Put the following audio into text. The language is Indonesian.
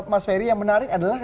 mas ferry yang menarik adalah